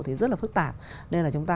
thì rất là phức tạp nên là chúng ta